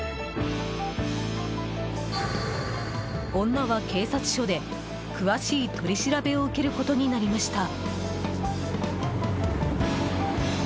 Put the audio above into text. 女は警察署で詳しい取り調べを受けることになりました。